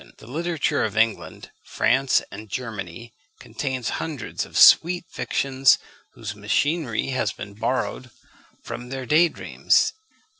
The literature of England, France, and Germany contains hundreds of sweet fictions, whose machinery has been borrowed from their day dreams.